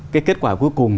cái kết quả cuối cùng